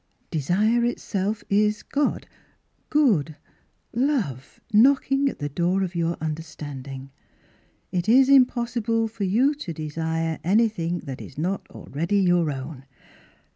Desire itself is God — Good — Love knocking at the door of your understand ing. It is impossible for you to desire anything that is not already your own